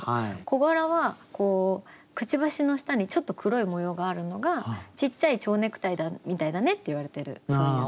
コガラはくちばしの下にちょっと黒い模様があるのがちっちゃいちょうネクタイみたいだねって言われてるそういう。